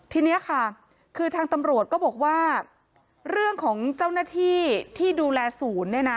ทีนี้ค่ะคือทางตำรวจก็บอกว่าเรื่องของเจ้าหน้าที่ที่ดูแลศูนย์เนี่ยนะ